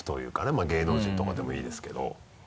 まぁ芸能人とかでもいいですけど。